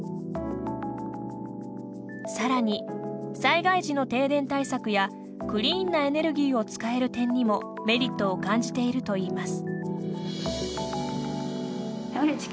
更に災害時の停電対策やクリーンなエネルギーを使える点にもメリットを感じているといいます。